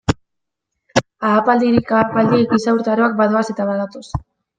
Ahapaldirik ahapaldi giza urtaroak badoaz eta badatoz.